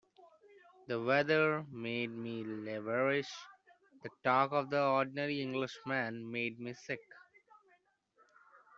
The weather made me liverish, the talk of the ordinary Englishman made me sick.